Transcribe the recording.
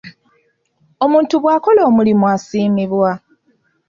Omuntu bw'akola omulimu asiimibwa.